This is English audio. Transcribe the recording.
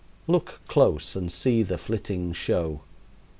Look close and see the flitting show.